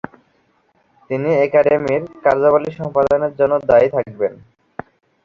তিনি একাডেমির কার্যাবলি সম্পাদনের জন্য দায়ী থাকবেন।